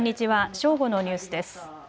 正午のニュースです。